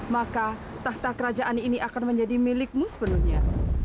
maka tahta kerajaan ini akan menjadi milikmu sepenuhnya